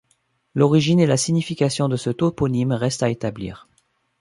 L'origine et la signification de ce toponyme reste à établir.